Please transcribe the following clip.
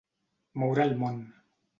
Moure el món.